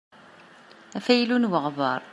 Afaylu n weɣbaṛ.